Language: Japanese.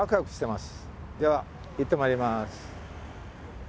では行ってまいります。